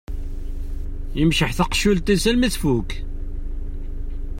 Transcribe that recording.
Imceḥ taqessult-is armi tfukk.